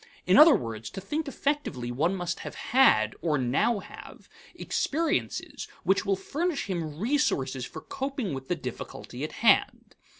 In other words, to think effectively one must have had, or now have, experiences which will furnish him resources for coping with the difficulty at hand.